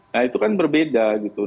nah itu kan berbeda gitu